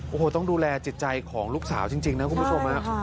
โอ้โหต้องดูแลจิตใจของลูกสาวจริงนะคุณผู้ชมฮะ